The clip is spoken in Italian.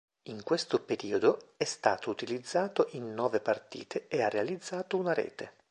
In questo periodo, è stato utilizzato in nove partite e ha realizzato una rete.